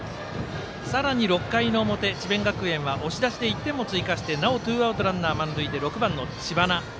さらに６回の表、智弁学園押し出しで１点を追加してなお、ツーアウトランナー、満塁で６番の知花。